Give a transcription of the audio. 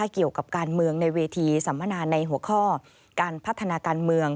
เกี่ยวกับการเมืองในเวทีสัมมนาในหัวข้อการพัฒนาการเมือง